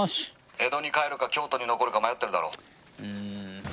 江戸に帰るか京都に残るか迷っているだろう。